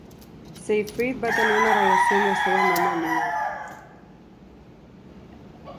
Seyfried va tenir una relació amb la seva Mamma Mia!